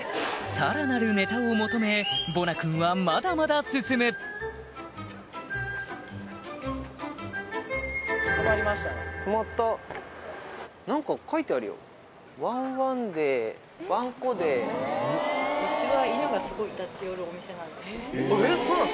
さらなるネタを求めボナ君はまだまだ進む一応。